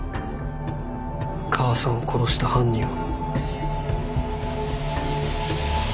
母さんを殺した犯人は。